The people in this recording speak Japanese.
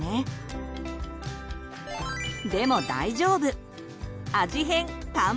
でも大丈夫！